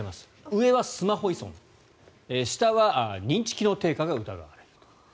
上はスマホ依存下は認知機能低下が疑われると。